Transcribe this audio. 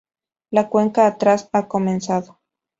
La cuenta atrás ha comenzado.